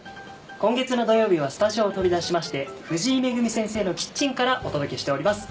今月の土曜日はスタジオを飛び出しまして藤井恵先生のキッチンからお届けしております。